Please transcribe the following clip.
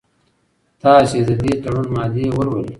تاسي د دې تړون مادې ولولئ.